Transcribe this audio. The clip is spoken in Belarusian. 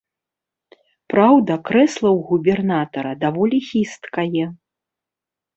Праўда, крэсла ў губернатара даволі хісткае.